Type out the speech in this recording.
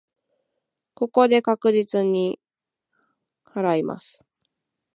ここで確実に祓います。